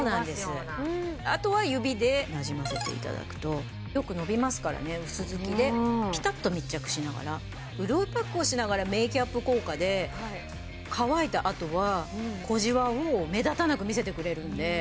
あとは指でなじませていただくとよくのびますからね薄づきでピタっと密着しながら潤いパックをしながらメーキャップ効果で乾いた後は小じわを目立たなく見せてくれるんで。